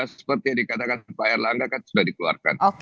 seperti yang dikatakan pak erlangga kan sudah dikeluarkan